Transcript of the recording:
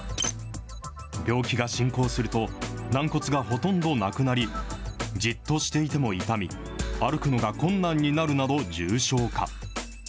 病気が進行すると、軟骨がほとんどなくなり、じっとしていても痛み、歩くのが困難になるなど重症化。